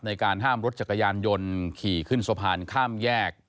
ห้ามรถจักรยานยนต์ขี่ขึ้นสะพานข้ามแยก